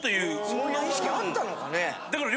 そんな意識あったのかね？